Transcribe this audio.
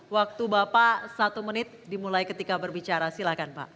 waktu bapak satu menit dimulai ketika berbicara silahkan pak